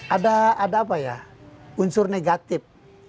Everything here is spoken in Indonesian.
ada apa ya unsur negatif